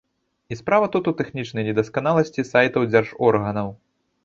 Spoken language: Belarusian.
І справа тут у тэхнічнай недасканаласці сайтаў дзяржорганаў.